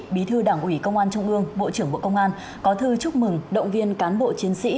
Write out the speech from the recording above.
bí thư đảng ủy công an trung ương bộ trưởng bộ công an có thư chúc mừng động viên cán bộ chiến sĩ